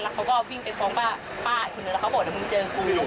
แล้วเขาก็พิ่งไปพร้อมว่าป้าคุณนั้นแล้วเขาบอกว่าเดี๋ยวมึงเจอกู